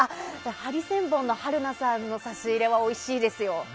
ハリセンボンの春菜さんの差し入れはおいしいですよ。